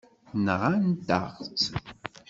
Nɣant-aɣ-tt.